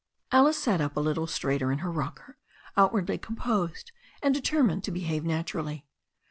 Alice sat up a little straighter in her rocker, outwardly composed, and determined to behave naturally.